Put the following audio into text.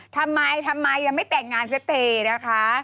ทำไมทำไมยังไม่แต่งงานสเตย์นะคะ